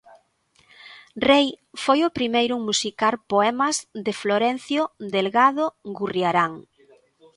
Rei foi o primeiro en musicar poemas de Florencio Delgado Gurriarán.